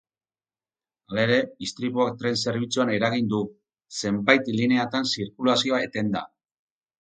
Halere, istripuak tren zerbitzuan eragin du, zenbait lineatan zirkulazioa etenda.